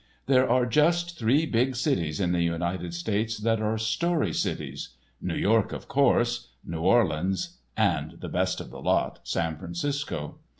There are just three big cities in the United States that are "story cities"—New York, of course, New Orleans, and best of the lot, San Francisco.